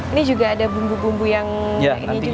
ini juga ada bumbu bumbu yang ini juga